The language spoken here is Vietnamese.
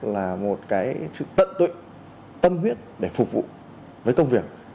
là một cái sự tận tụy tâm huyết để phục vụ với công việc